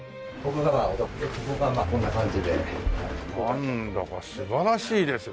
なんだか素晴らしいですね。